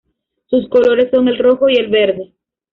Sus colores son el rojo y el verde.